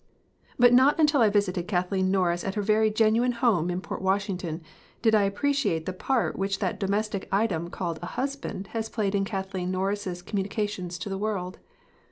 But not until I visited Kathleen Norris at her very genuine home in Port Washington did I appreciate the part which that domestic item called a husband has played in Kathleen Norris 's communications to the world.